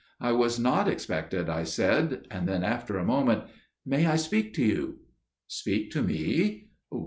"'I was not expected,' I said; and then, after a moment: 'May I speak to you?' "'Speak to me?